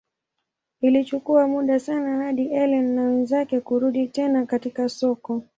Ilichukua muda sana hadi Ellen na mwenzake kurudi tena katika soko.